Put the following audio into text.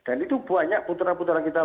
dan itu banyak putra putra kita